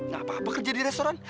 gak apa apa kerja di restoran